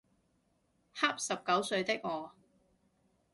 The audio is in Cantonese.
恰十九歲的我